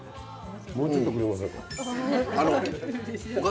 もうちょっとくれませんか？